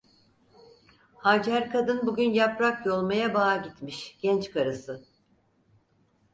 Hacer kadın bugün yaprak yolmaya bağa gitmiş, genç karısı.